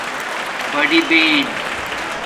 بڑی بہن